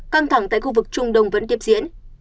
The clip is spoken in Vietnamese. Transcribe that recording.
căng thẳng tại khu vực trung đông vẫn tiếp diễn